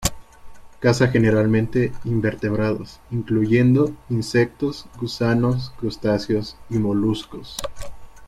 Caza generalmente invertebrados, incluyendo insectos, gusanos, crustáceos y moluscos.